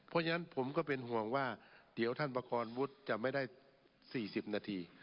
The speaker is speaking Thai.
เพราะฉะนั้นผมก็เป็นห่วงว่าเดี๋ยวท่านประคอนวุฒิจะไม่ได้๔๐นาที